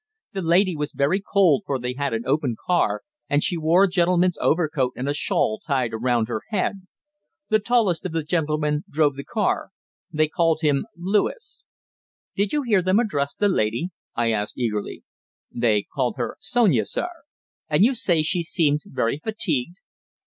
The lady was very cold, for they had an open car, and she wore a gentleman's overcoat and a shawl tied around her head. The tallest of the gentlemen drove the car. They called him Lewis." "Did you hear them address the lady?" I asked eagerly. "They called her Sonia, sir." "And you say she seemed very fatigued?"